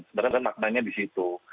sebenarnya maknanya di situ